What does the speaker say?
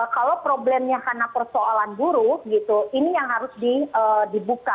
kalau problemnya karena persoalan buruk ini yang harus dibuka